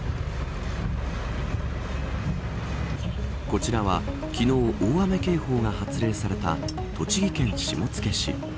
こちらは昨日、大雨警報が発令された栃木県下野市。